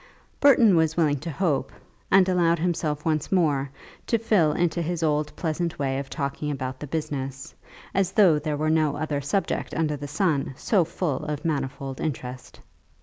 Burton was willing to hope, and allowed himself once more to fall into his old pleasant way of talking about the business as though there were no other subject under the sun so full of manifold interest.